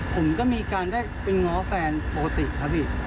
ผมก็มีการได้ไปง้อแฟนปกติครับพี่